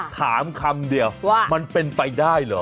คำเดียวว่ามันเป็นไปได้เหรอ